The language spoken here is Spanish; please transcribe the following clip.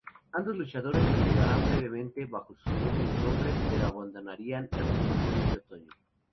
Ambos luchadores continuarían brevemente bajo sus propios nombres, pero abandonarían la promoción ese otoño.